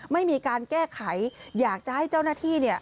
ไม่มีการแก้ไขอยากจะให้เจ้าหน้าที่เนี่ย